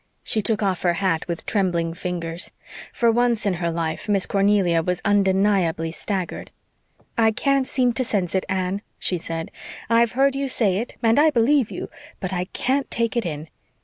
She took off her hat with trembling fingers. For once in her life Miss Cornelia was undeniably staggered. "I can't seem to sense it, Anne," she said. "I've heard you say it and I believe you but I can't take it in.